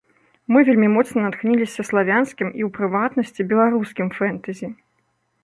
Мы вельмі моцна натхніліся славянскім, і, у прыватнасці, беларускім фэнтэзі.